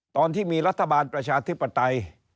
ตอนที่มีรัฐบาลประชาธิปไตย